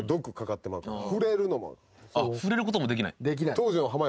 触れることもできない。